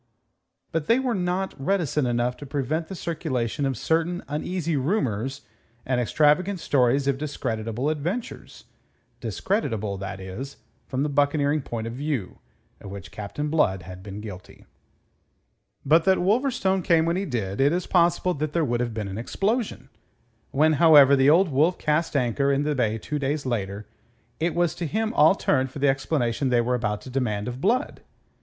But they were not reticent enough to prevent the circulation of certain uneasy rumours and extravagant stories of discreditable adventures discreditable, that is, from the buccaneering point of view of which Captain Blood had been guilty. But that Wolverstone came when he did, it is possible that there would have been an explosion. When, however, the Old Wolf cast anchor in the bay two days later, it was to him all turned for the explanation they were about to demand of Blood.